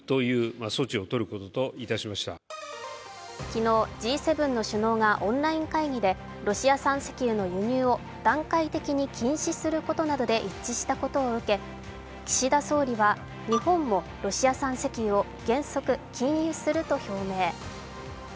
昨日、Ｇ７の首脳がオンライン会議でロシア産石油の輸入を段階的に禁止することなどで一致したことを受け岸田総理は、日本もロシア産石油を原則、禁輸すると表明。